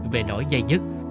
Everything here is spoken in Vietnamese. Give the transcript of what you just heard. về nỗi dây dứt